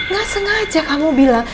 gak sengaja kamu bilang